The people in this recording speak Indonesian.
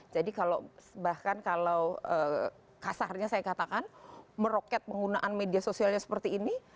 jadi kalau bahkan kalau kasarnya saya katakan meroket penggunaan media sosialnya seperti ini